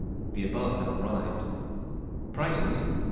( The above have arrived .) Prices.